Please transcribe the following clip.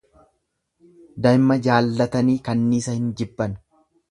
Dayma jaallatanii kannisa hin jibban.